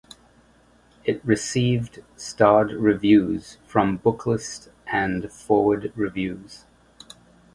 It received starred reviews from "Booklist" and "Foreword Reviews".